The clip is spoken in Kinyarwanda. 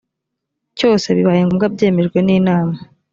cyose bibaye ngombwa byemejwe n inama